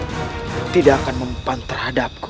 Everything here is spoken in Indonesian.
jurusmu itu tidak akan memupan terhadapku